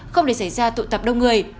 không để xảy ra tụ tập đông người